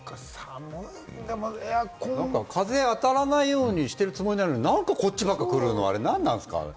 風、当たらないようにしているつもりなんだけれども、なんか、こっちばっかり来るのは、あれなんなんですか？